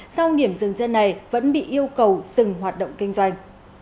sau điểm dừng chân này vẫn bị yêu cầu dừng hoạt động kinh doanh